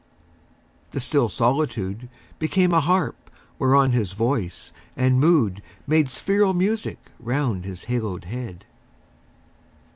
The still solitude Became a harp whereon his voice and mood Made spheral music round his haloed head.